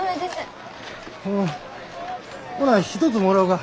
ほな一つもらおうか。